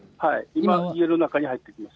今は家の中に入っています。